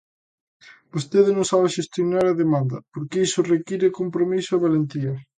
Vostedes non saben xestionar a demanda, porque iso require compromiso e valentía.